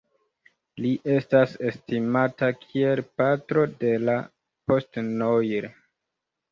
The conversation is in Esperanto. Li estas estimata kiel "patro de la "post-noir"".